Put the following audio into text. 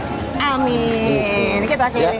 amin kita akhiri lagi